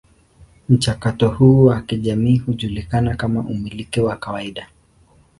Mchakato huu wa kijamii hujulikana kama umiliki wa kawaida.